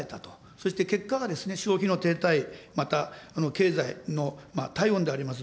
そして結果がですね、消費の停滞、また、経済の体温であります